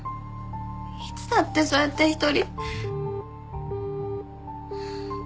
いつだってそうやって一人。